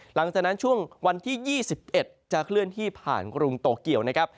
หลังจากนั้นช่วงวันที่๒๑จะเคลื่อนที่ผ่านกรุงโตเกียวนะครับ